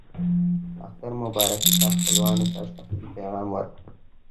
اختر مبارکي ته خپلوانو ته شخصي پیغام ورکړئ.